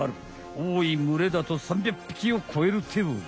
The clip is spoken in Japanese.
おおい群れだと３００ぴきをこえるってよ。